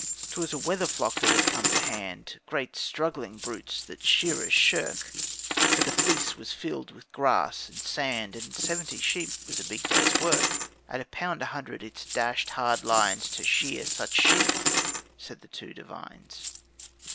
'Twas a wether flock that had come to hand, Great struggling brutes, that the shearers shirk, For the fleece was filled with the grass and sand, And seventy sheep was a big day's work. 'At a pound a hundred it's dashed hard lines To shear such sheep,' said the two Devines.